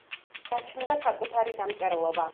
გააჩნდა საკუთარი დამწერლობა.